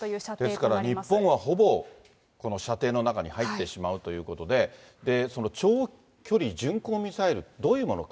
ですから、日本はほぼ、この射程の中に入ってしまうということで、その長距離巡航ミサイル、どういうものか。